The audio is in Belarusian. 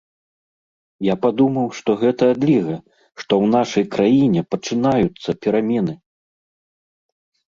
Я падумаў, што гэта адліга, што ў нашай краіне пачынаюцца перамены.